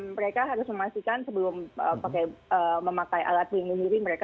mereka harus memastikan sebelum pakai memakai alat mengirim mereka sudah pipis dan gak minum banyak